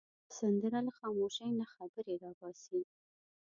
سندره له خاموشۍ نه خبرې را باسي